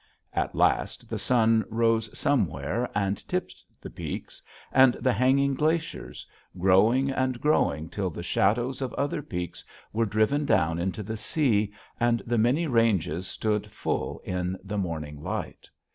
At last the sun rose somewhere and tipped the peaks and the hanging glaciers, growing and growing till the shadows of other peaks were driven down into the sea and the many ranges stood full in the morning light.